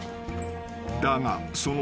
［だがその］